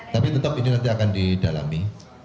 tapi tetap ini nanti akan didalami